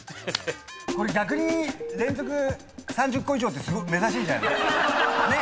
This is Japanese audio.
これ逆に連続３０個以上って珍しいんじゃない？ねえ！